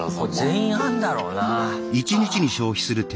全員あんだろうな。